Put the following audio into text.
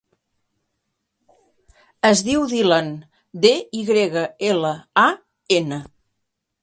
Es diu Dylan: de, i grega, ela, a, ena.